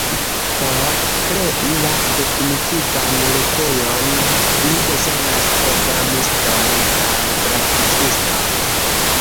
Por krei la definitivan retejon ni bezonas programistojn kaj grafikiston.